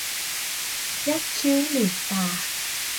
ยักคิ้วหลิ่วตา